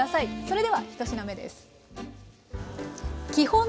それでは１品目です。